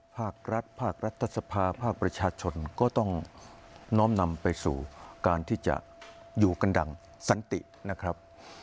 ภาครัฐภาครัฐสภาภาคประชาชนก็ต้องน้อมนำไปสู่การที่จะอยู่กันดังสันตินะครับ